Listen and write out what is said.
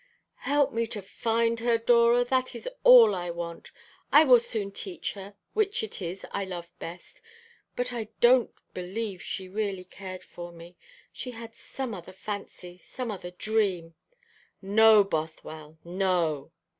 "Help me to find her, Dora. That is all I want. I will soon teach her which it is I love best. But I don't believe she really cared for me. She had some other fancy some other dream." "No, Bothwell, no."